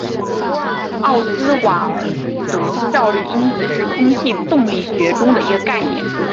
奥斯瓦尔德效率因子是空气动力学中的一个概念。